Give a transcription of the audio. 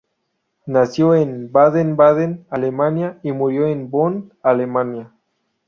Nació en Baden-Baden, Alemania y murió en Bonn, Alemania.